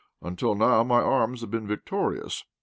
Until now my arms have been victorious.